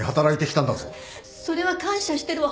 それは感謝してるわ。